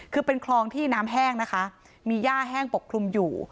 คือเป็นคลองที่น้ำแห้งนะคะมีย่าแห้งปกคลุมอยู่